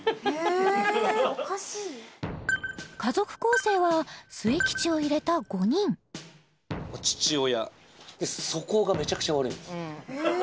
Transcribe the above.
家族構成は末吉を入れた５人父親素行がめちゃくちゃ悪いんです